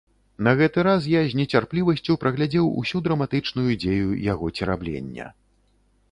На гэты раз я з нецярплівасцю прагледзеў усю драматычную дзею яго цераблення.